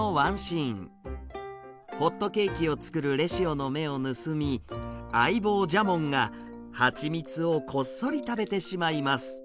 ホットケーキを作るレシオの目を盗み相棒ジャモンが蜂蜜をこっそり食べてしまいます。